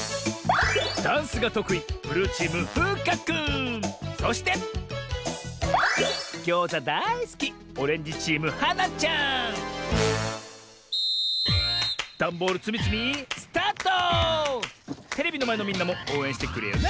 ダンスがとくいそしてギョーザだいすきダンボールつみつみテレビのまえのみんなもおうえんしてくれよな！